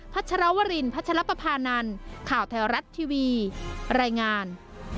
ภัชรวรินทร์ภัชรปภานันทร์ข่าวไทยรัฐทีวีรายงาน